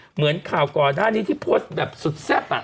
เหมือนข่าวก่อนหน้านี้ที่โพสต์แบบสุดแซ่บ